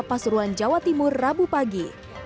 pasuruan jawa timur rabu pagi